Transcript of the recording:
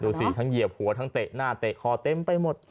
สิทั้งเหยียบหัวทั้งเตะหน้าเตะคอเต็มไปหมด